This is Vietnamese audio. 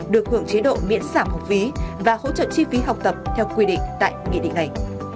được hưởng chế độ miễn giảm học phí và hỗ trợ chi phí học tập theo quy định tại nghị định này